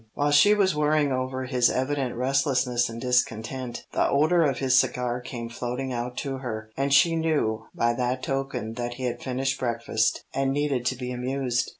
While she was worrying over his evident restlessness and discontent, the odour of his cigar came floating out to her, and she knew by that token that he had finished breakfast and needed to be amused.